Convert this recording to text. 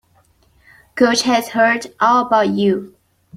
Coach has heard all about you.